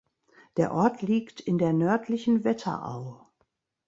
Der Ort liegt in der nördlichen Wetterau.